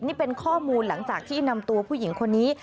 นี่เป็นข้อมูลหลังจากที่นำตัวผู้หญิงคนนี้